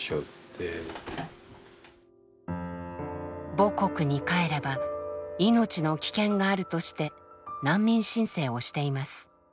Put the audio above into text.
母国に帰れば命の危険があるとして難民申請をしています。